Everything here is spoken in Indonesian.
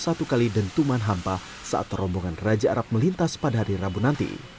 satu kali dentuman hampa saat rombongan raja arab melintas pada hari rabu nanti